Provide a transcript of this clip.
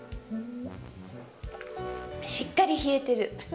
しっかり冷えてる。